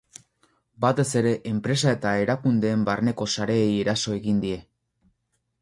Batez ere enpresa eta erakundeen barneko sareei eraso egin die.